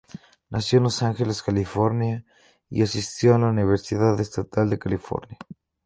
Nació en Los Angeles, California y asistió a la Universidad Estatal de California.